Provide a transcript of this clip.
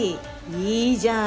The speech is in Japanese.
いいじゃん！